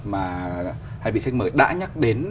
mà hai vị khách mời đã nhắc đến